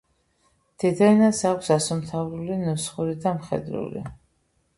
დედაენას აქვს: ასომთავრული, ნუსხური და მხედრული.